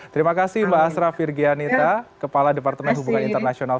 terima kasih mbak asra firgianita kepala departemen hubungan internasional